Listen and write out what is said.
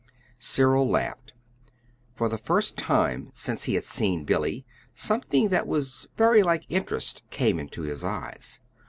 Cyril laughed. For the first time since he had seen Billy, something that was very like interest came into his eyes.